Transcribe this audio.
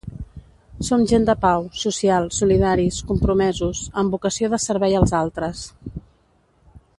Som gent de pau, social, solidaris, compromesos, amb vocació de servei als altres.